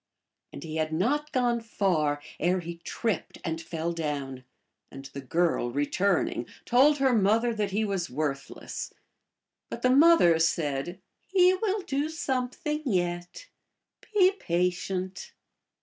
And he had not gone far ere he tripped and fell down, and the girl, returning, told her mother that he was worthless. But the mother said, " He will do something yet. Be patient."